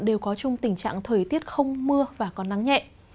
đều có chung tình trạng thời tiết không mưa và có nắng nhẹ